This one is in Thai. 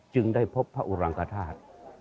ได้พบพระอุรังกธาตุ